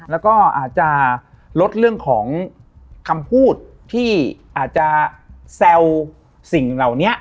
แล้วก็อาจจะลดเรื่องของคำพูดที่อาจจะแซวสิ่งเหล่านี้